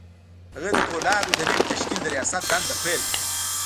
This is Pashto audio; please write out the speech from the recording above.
هغه د پولادو د نوي تشکيل د رياست دنده پيل کړه.